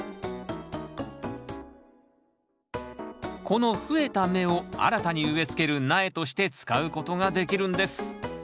この増えた芽を新たに植えつける苗として使うことができるんです